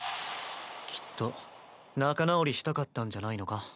きっと仲直りしたかったんじゃないのか。